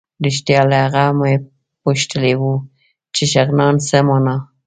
رښتیا له هغه مې پوښتلي وو چې شغنان څه مانا.